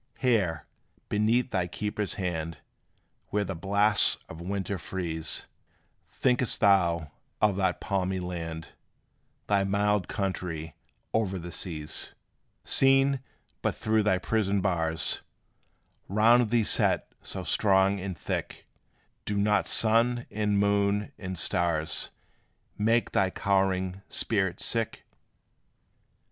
Here, beneath thy keeper's hand, Where the blasts of winter freeze, Think'st thou of that palmy land, Thy mild country o'er the seas? Seen but through thy prison bars, Round thee set so strong and thick, Do not sun, and moon, and stars Make thy cowering spirit sick?